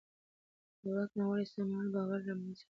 د واک ناوړه استعمال باور له منځه وړي